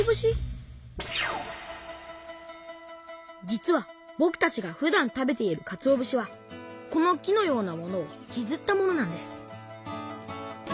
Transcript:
実はぼくたちがふだん食べているかつお節はこの木のようなものをけずったものなんです